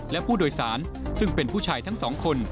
และผู้โดยสารซึ่งเป็นผู้ชายทั้งสองคน